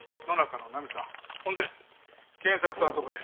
ほんで賢作さんとこや。